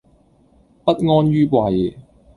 不安於位